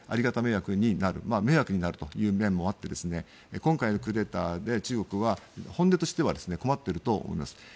がた迷惑になる迷惑になるという面もあって今回のクーデターで、中国は本音としては困っていると思います。